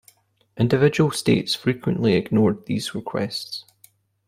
Individual states frequently ignored these requests.